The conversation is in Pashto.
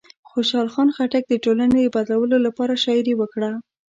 خوشحال خان خټک د ټولنې د بدلولو لپاره شاعري وکړه.